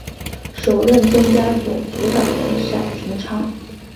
首任专家组组长为闪淳昌。